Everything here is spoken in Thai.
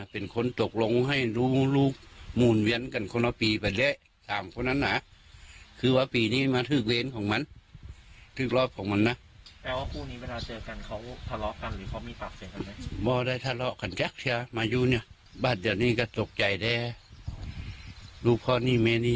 เพราะนี่แม่นี่ยังเห็นกันได้แค่นั้น